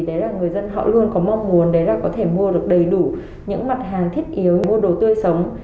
đấy là người dân họ luôn có mong muốn có thể mua được đầy đủ những mặt hàng thiết yếu mua đồ tươi sống